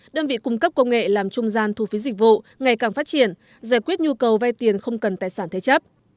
đơn vị cung cấp công nghệ làm trung gian thu phí dịch vụ ngày càng phát triển giải quyết nhu cầu vay tiền không cần tài sản thế chấp